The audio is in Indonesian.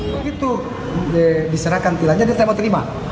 begitu diserahkan tilanya dia tidak mau terima